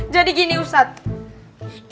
jadi gini ustadz